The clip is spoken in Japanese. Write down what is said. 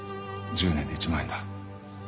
１０年で１万円だ。